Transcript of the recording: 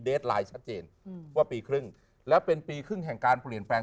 ไลน์ชัดเจนว่าปีครึ่งและเป็นปีครึ่งแห่งการเปลี่ยนแปลง